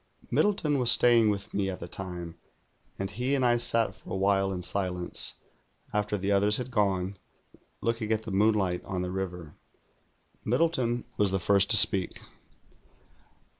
Aliddleton was staying with me at the time, and he and I sat for a while in silence, after the others had gone, looking at the moonlight on the river. Middle ton was the first to speak.